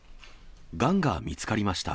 がんが見つかりました。